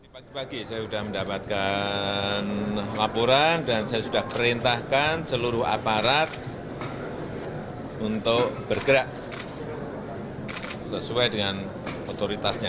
pagi pagi saya sudah mendapatkan laporan dan saya sudah perintahkan seluruh aparat untuk bergerak sesuai dengan otoritasnya